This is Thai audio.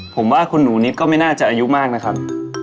ผมว่าคุณหนูนิดก็ไม่น่าจะอายุมากนะครับ